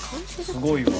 すごいわ。